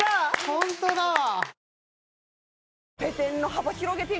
ホントだわ。